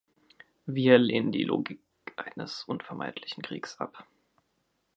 Wir lehnen die Logik eines unvermeidlichen Kriegs ab.